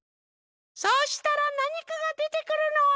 そうしたらなにかがでてくるの。